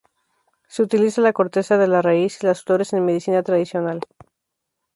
Se utiliza la corteza de la raíz y las flores en medicina tradicional.